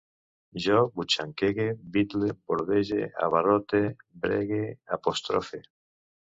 Jo butxaquege, bitle, bordege, abarrote, bregue, apostrofe